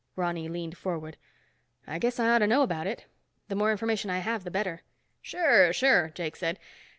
Ronny leaned forward. "I guess I ought to know about it. The more information I have, the better." "Sure, sure," Jakes said.